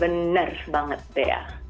benar banget dea